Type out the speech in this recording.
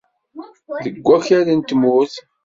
Deg wakal n tmurt.